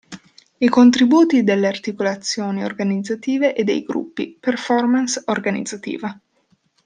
I contributi delle articolazioni organizzative e dei gruppi (performance organizzativa).